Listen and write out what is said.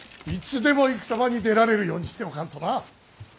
いつでも戦場に出られるようにしておかんとな。